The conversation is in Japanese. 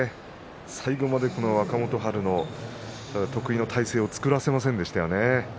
最後まで若元春の得意の体勢を作らせませんでしたよね。